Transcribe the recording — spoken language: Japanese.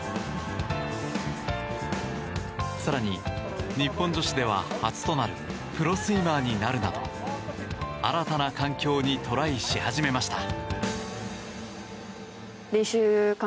更に、日本女子では初となるプロスイマーになるなど新たな環境にトライし始めました。